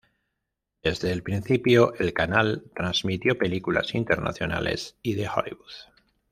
Desde el principio el canal transmitió películas internacionales y de Hollywood.